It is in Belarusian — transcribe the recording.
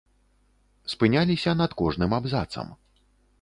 Спыняліся над кожным абзацам.